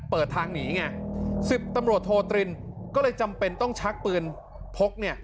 เปิดทางหนีไงสิบตำรวจโทตรินก็เลยจำเป็นต้องชักปืนพกเนี่ย